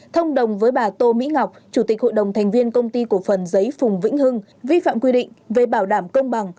thông đồng với bà tô mỹ ngọc chủ tịch hội đồng thành viên công ty cổ phần giấy phùng vĩnh hưng vi phạm quy định về bảo đảm công bằng